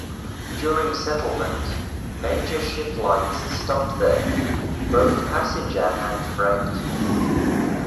During settlement, major ship lines stopped there, both passenger and freight.